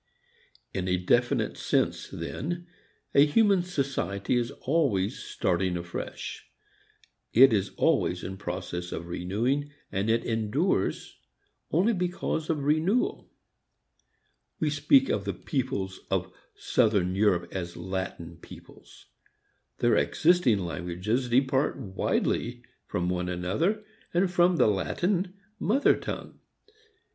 In a definite sense, then, a human society is always starting afresh. It is always in process of renewing, and it endures only because of renewal. We speak of the peoples of southern Europe as Latin peoples. Their existing languages depart widely from one another and from the Latin mother tongue.